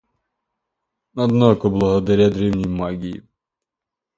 Однако, благодаря древней магии